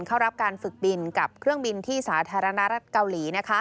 เข้ารับการฝึกบินกับเครื่องบินที่สาธารณรัฐเกาหลี